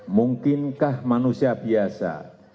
mungkin kah manusia biasa